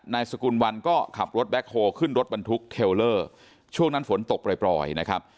นายสกุลวันก็ขับรถแบ็คโฮขึ้นรถบรรทุกเทลเลอร์ช่วงนั้นฝนตกปล่อยนะครับ